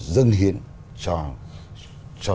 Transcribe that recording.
dân hiến cho